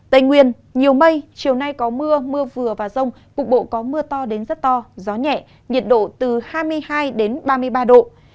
tây nguyên nhiều mây chiều nay có mưa mưa vừa và rông cục bộ có mưa to đến rất to gió nhẹ nhiệt độ từ hai mươi hai ba mươi ba độ